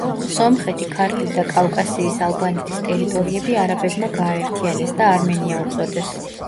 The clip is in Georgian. სომხეთი, ქართლი და კავკასიის ალბანეთის ტერიტორიები არაბებმა გააერთიანეს და „არმენია“ უწოდეს.